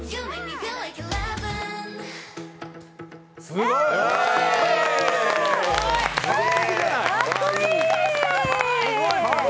すごい。